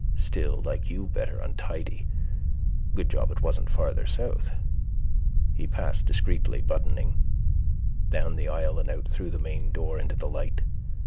Still like you better untidy. Good job it wasn't farther south. He passed, discreetly buttoning, down the aisle and out through the main door into the light.